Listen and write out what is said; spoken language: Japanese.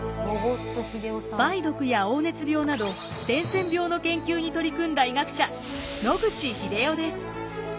梅毒や黄熱病など伝染病の研究に取り組んだ医学者野口英世です。